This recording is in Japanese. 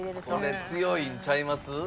これ強いんちゃいます？